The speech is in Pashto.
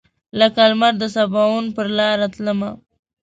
لکه لمر دسباوون پر لاروتلمه